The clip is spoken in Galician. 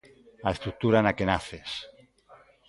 A estrutura na que naces.